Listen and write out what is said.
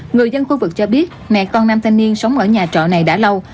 người dân khu vực cho biết mẹ con nam thanh niên sống ở nhà trọ này đã lâu